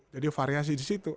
jadi variasi disitu